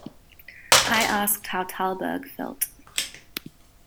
I asked how Thalberg felt.